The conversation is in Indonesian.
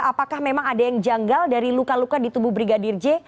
apakah memang ada yang janggal dari luka luka di tubuh brigadir j